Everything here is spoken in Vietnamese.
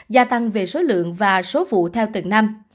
gia tăng về số lượng và số vụ theo từng năm